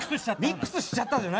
ミックスしちゃった。